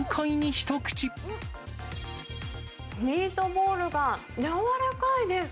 ミートボールが柔らかいです。